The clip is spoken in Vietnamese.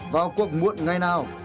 vào cuộc muộn ngày nào